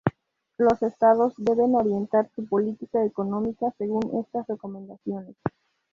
Los Estados deben orientar su política económica según estas recomendaciones.